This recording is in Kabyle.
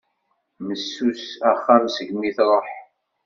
Messus axxam segmi truḥ.